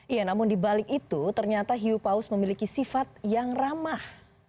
iya namun dibalik itu ternyata hiu paus memiliki sifat yang ramah